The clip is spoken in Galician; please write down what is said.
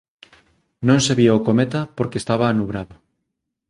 Non se vía o cometa porque estaba anubrado